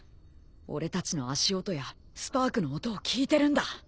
俺たちの足音やスパークの音を聞いてるんだ。